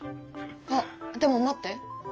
あっでも待って！